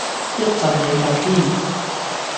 一陣你就知